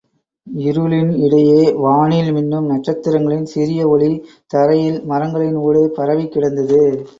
இருளின் இடையே வானில் மின்னும் நட்சத்திரங்களின் சிறிய ஒளி, தரையில் மரங்களின் ஊடே பரவிக்கிடந்தது.